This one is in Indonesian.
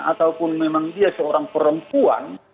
ataupun memang dia seorang perempuan